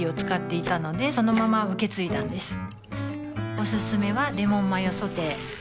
おすすめはレモンマヨソテー